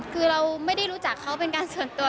คือเราไม่ได้รู้จักเขาเป็นการส่วนตัว